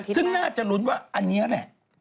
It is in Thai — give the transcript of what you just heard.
ซึ่งน่าจะลุ้นว่าอันนี้แหละ